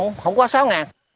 nó quá sáu ngàn